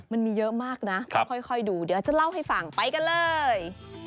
มันมีเยอะมากนะต้องค่อยดูเดี๋ยวจะเล่าให้ฟังไปกันเลย